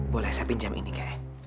boleh saya pinjam ini kah